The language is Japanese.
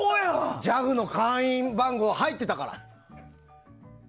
ＪＡＦの会員番号が入ってたから。